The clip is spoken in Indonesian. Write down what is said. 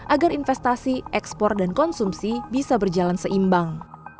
agar investasi ekspor dan konsumsi bisa berjalan seimbang